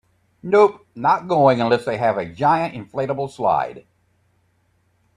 Nope, not going unless they have a giant inflatable slide.